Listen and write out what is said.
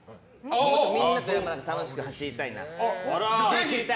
もっとみんなと楽しくやりたいなって。